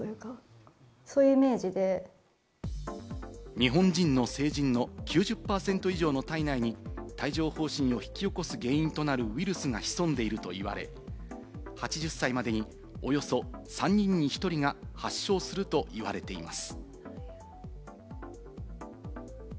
日本人の成人の９０％以上の体内に帯状疱疹を引き起こす原因となるウイルスが潜んでいると言われ、８０歳までにおよそ３人に１人が発症するといわれています。